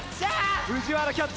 藤原キャッチ！